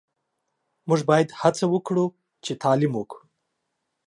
موژ باید هڅه وکړو چی تعلیم وکړو